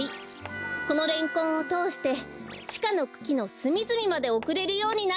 このレンコンをとおしてちかのくきのすみずみまでおくれるようになっているんです。